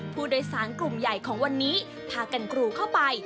ผู้โดยสารกลุ่มใหญ่ของวันนี้พากันกรูเข้าไป